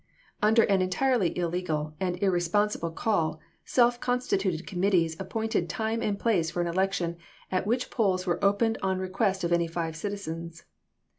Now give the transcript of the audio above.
Under an entirely illegal and irresponsible call self consti tuted committees appointed time and place for an election at which polls were opened on request of any five citizens.